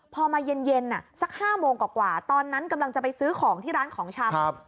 พอมาเย็นสัก๕โมงกว่าตอนนั้นกำลังจะไปซื้อของที่ร้านของชำ